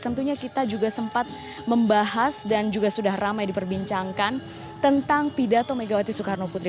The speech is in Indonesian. tentunya kita juga sempat membahas dan juga sudah ramai diperbincangkan tentang pidato megawati soekarno putri